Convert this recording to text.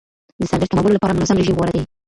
د سردرد کمولو لپاره منظم رژیم غوره دی.